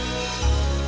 ibu ibu ada tulisan